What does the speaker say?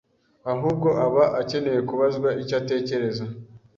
ahubwo aba akeneye kubazwa icyo atekereza